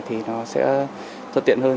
thì nó sẽ thật tiện hơn